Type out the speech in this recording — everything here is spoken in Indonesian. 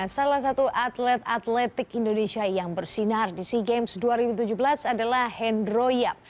salah satu atlet atletik indonesia yang bersinar di sea games dua ribu tujuh belas adalah hendro yap